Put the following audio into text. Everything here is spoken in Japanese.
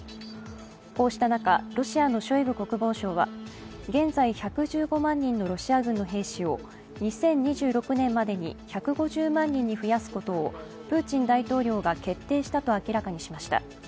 こうした中、ロシアのショイグ国防相は現在１１５万人のロシア軍の兵士を２０２６年までに１５０万人に増やすことをプーチン大統領が決定したと明らかにしました。